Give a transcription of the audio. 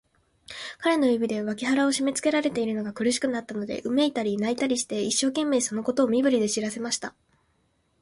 彼の指で、脇腹をしめつけられているのが苦しくなったので、うめいたり、泣いたりして、一生懸命、そのことを身振りで知らせました。